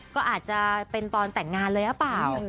ก็อาจจะเป็นตอนแต่งงานเลยหรือเปล่า